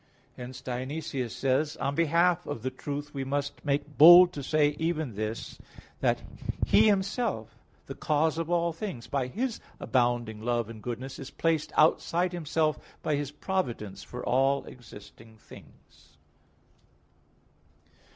Hence Dionysius says (Div. Nom. iv, 1): "On behalf of the truth we must make bold to say even this, that He Himself, the cause of all things, by His abounding love and goodness, is placed outside Himself by His providence for all existing things."